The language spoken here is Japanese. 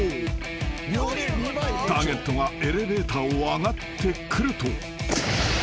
［ターゲットがエレベーターを上がってくると］